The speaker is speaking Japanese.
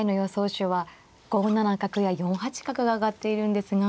手は５七角や４八角が挙がっているんですが。